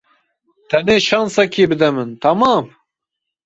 Tenê şensekê bide min, temam?